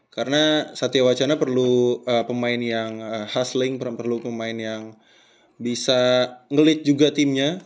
karena satya wacana perlu pemain yang hustling perlu pemain yang bisa ngelit juga timnya